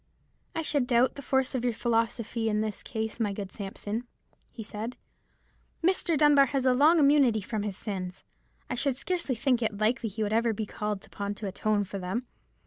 "I should doubt the force of your philosophy in this case, my good Sampson," he said; "Mr. Dunbar has had a long immunity from his sins. I should scarcely think it likely he would ever be called upon to atone for them."